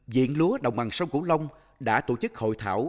diện lúa đồng bằng sông cửu long đã tổ chức hội thảo